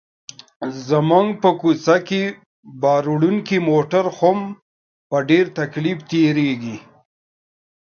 زموږ په کوڅه کې باروړونکي موټر هم په ډېر تکلیف تېرېږي.